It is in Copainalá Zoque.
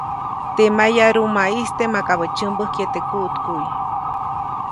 Teʼ mayarumaʼiste makabäʼ tsyämbäjkye teʼ kuʼtkuʼy.